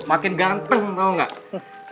makin ganteng tau gak